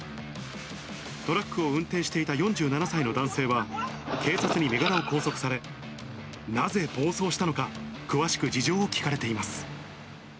トラックを運転していた４７歳の男性は警察に身柄を拘束され、なぜ暴走したのか、詳しく事情を聴かれています。